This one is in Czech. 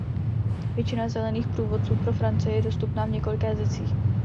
Většina Zelených průvodců pro Francii je dostupná v několika jazycích.